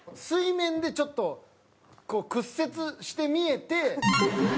水面でちょっと屈折して見えて。